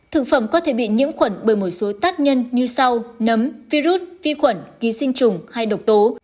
thực phẩm có thể bị nhiễm khuẩn bởi một số tác nhân như sau nấm virus vi khuẩn ký sinh trùng hay độc tố